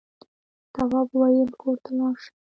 تواب وويل: کور ته لاړ شم.